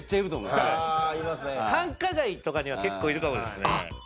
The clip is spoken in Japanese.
繁華街とかには結構いるかもですね。